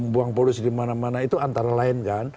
buang polusi dimana mana itu antara lain